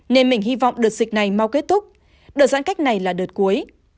nên mình hy vọng đợt dịch này mau kết thúc đợt giãn cách này là đợt cuối